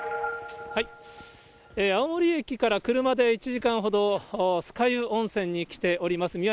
青森駅から車で１時間ほど、酸ヶ湯温泉に来ております。